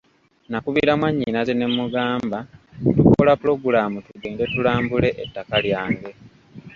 Nakubira mwannyinaze ne mmugamba tukola pulogulaamu tugende tulambule ettaka lyange.